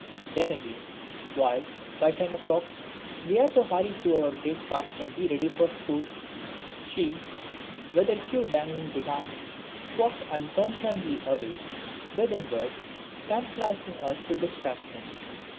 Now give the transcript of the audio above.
Then again, while, by ten o'clock, we had to hurry through our breakfast and be ready for school, she, with her queue dangling behind, walked unconcernedly away, withinwards, tantalising us to distraction.